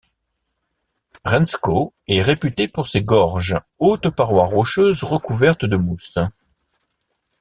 Hřensko est réputée pour ses gorges, hautes parois rocheuses recouvertes de mousse.